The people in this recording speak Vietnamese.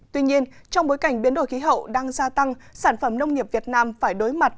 tuy nhiên trong bối cảnh biến đổi khí hậu đang gia tăng sản phẩm nông nghiệp việt nam phải đối mặt